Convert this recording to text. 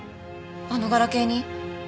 あのガラケーに？